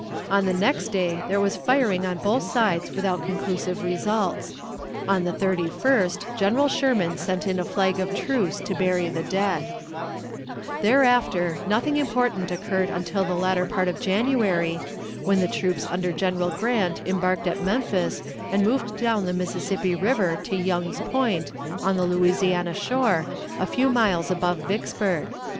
On the next day there was firing on both sides without conclusive results. On the 31st General Sherman sent in a flag of trace to bury the dead. [Illustration: Map of action of December 26 31] Thereafter nothing important occurred until the latter part of January, when the troops under General Grant embarked at Memphis and moved down the Mississippi River to Young's Point, on the Louisiana shore, a few miles above Vicksburg.